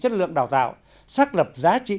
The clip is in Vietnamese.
chất lượng đào tạo xác lập giá trị